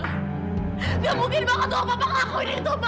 nggak mungkin ma ketawa papa ngakuin itu ma